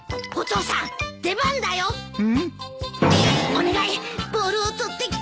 お願いボールを取ってきて。